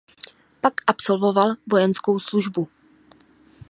Pak absolvoval vojenskou službu.